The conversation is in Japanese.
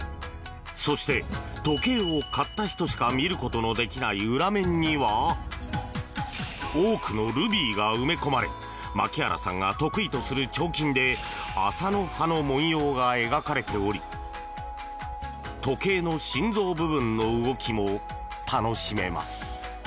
そして、時計を買った人しか見ることのできない裏面には多くのルビーが埋め込まれ牧原さんが得意とする彫金で麻の葉の紋様が描かれており時計の心臓部分の動きも楽しめます。